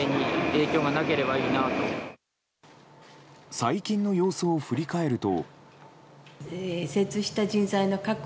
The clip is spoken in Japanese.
最近の様子を振り返ると。